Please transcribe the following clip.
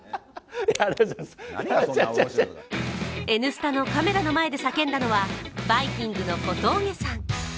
「Ｎスタ」のカメラの前で叫んだのはバイきんぐの小峠さん。